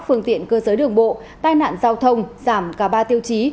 phương tiện cơ giới đường bộ tai nạn giao thông giảm cả ba tiêu chí